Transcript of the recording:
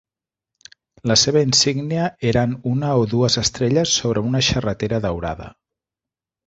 La seva insígnia eren una o dues estrelles sobre una xarretera daurada.